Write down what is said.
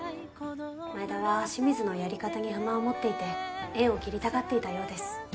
前田は清水のやり方に不満を持っていて縁を切りたがっていたようです。